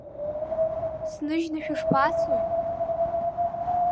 Сныжьны шәышԥацои?